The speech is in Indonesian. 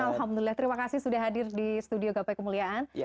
alhamdulillah terima kasih sudah hadir di studio gapai kemuliaan